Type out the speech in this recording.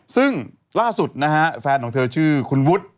ซึ่งล่าสุดนะฮะแฟนของเธอชื่อคุณวุฒิ